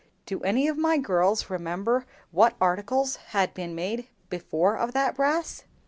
Do any of my girls remember what articles had been made before of that brass?"